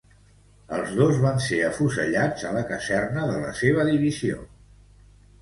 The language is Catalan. Els dos van ser afusellats a la caserna de la seua divisió.